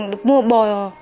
được mua bò